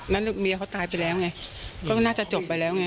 แล้วเมียเขาตายไปแล้วไงก็น่าจะจบไปแล้วไง